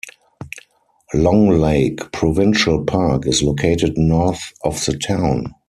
Long Lake Provincial Park is located north of the town.